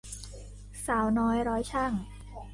สาวน้อยร้อยชั่ง